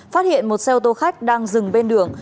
phát hiện một xe ô tô khách đang dừng bên đường